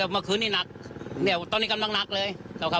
เมื่อคืนนี้หนักตอนนี้กำลังหนักเลย